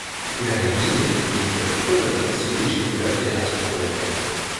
Il réunit l'élite des clubs polonais sous l'égide de la Fédération polonaise.